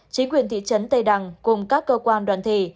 chính quyền thị trấn tây đằng cùng các cơ quan đoàn thể